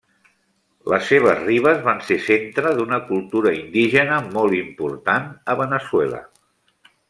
Les seves ribes van ser centre d'una cultura indígena molt important a Veneçuela.